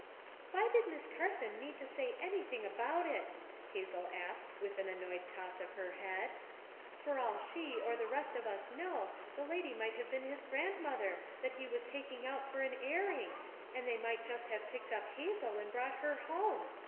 "Why did Miss Carson need to say anything about it?" Isabel asked with an annoyed toss of her head. "For all she, or the rest of us know, the lady might have been his grand mother that be was taking out for an airing, and they might just have picked up Hazel and brought her home.